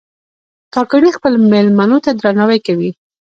کاکړي خپلو مېلمنو ته درناوی کوي.